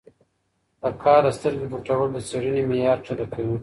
له کاره سترګې پټول د څېړنې معیار کښته کوي.